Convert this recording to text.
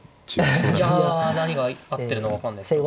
いや何が合ってるのか分かんない。